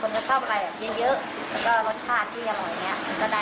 คนก็ชอบอะไรเยอะแล้วก็รสชาติที่มีอย่างเหมือนเนี้ย